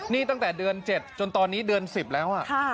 นี่ตั้งแต่เดือน๗จนตอนนี้เดือน๑๐แล้ว